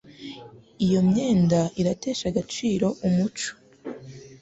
iyo myenda iratesha agaciro umuco